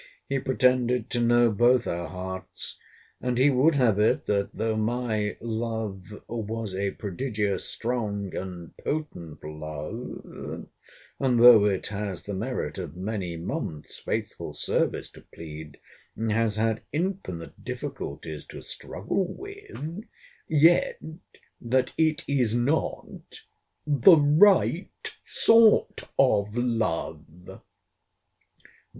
He pretended to know both our hearts: and he would have it, that though my love was a prodigious strong and potent love; and though it has the merit of many months, faithful service to plead, and has had infinite difficulties to struggle with; yet that it is not THE RIGHT SORT OF LOVE.